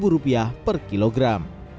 satu ratus lima belas rupiah per kilogram